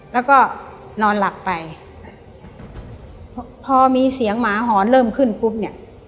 แล้วก็นอนหลับไปพอมีเสียงหมาหอนเริ่มขึ้นปุ๊บเนี่ย